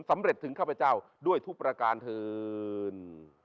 ถึงข้าพเจ้าด้วยทุกประการเถิน